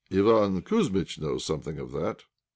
"Iván Kouzmitch knows something of that."